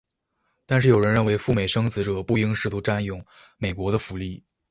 但是有人认为赴美生子者不应试图占用美国的福利。